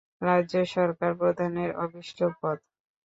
রাজ্য সরকার প্রধানের অভীষ্ট পদ।